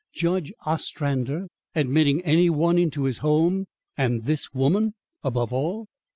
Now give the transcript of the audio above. Judge Ostrander admitting any one into his home, and this woman above all!